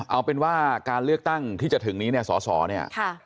เอาเป็นว่าการเลือกตั้งที่จะถึงนี้เนี่ยสอสอเนี่ย